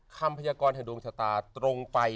คำพญากรแห่งดวงชาตาตรงไป